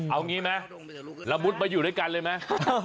เอางี้มั้ยระมุดมาอยู่ด้วยกันเลยมั้ย